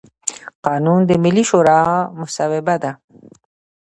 قانون د ملي شورا مصوبه ده.